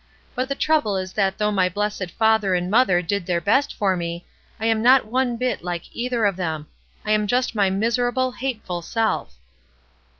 But the trouble is that though my blessed father and mother did their best for me, I am not one bit like either of them; I am just my miserable, hateful self.'